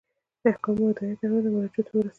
احکام او هدایات اړونده مرجعو ته واستوئ.